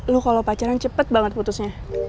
lu kalo pacaran cepet banget putusnya